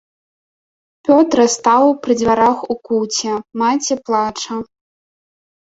Пётра стаў пры дзвярах у куце, маці плача.